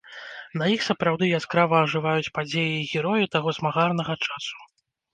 На іх сапраўды яскрава ажываюць падзеі і героі таго змагарнага часу.